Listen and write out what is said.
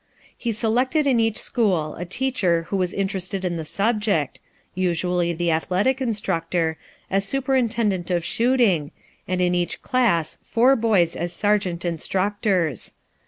He selected in each school a teacher who was interested in the subject (usually the athletic instructor) as superintendent of shooting, and in each class four boys as sergeant instructors.